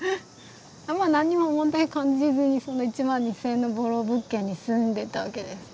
何にも問題感じずに１万２，０００円のボロ物件に住んでたわけです。